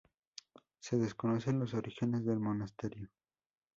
Se desconocen los orígenes del monasterio.